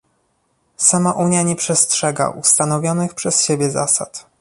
Sama Unia nie przestrzega ustanowionych przez siebie zasad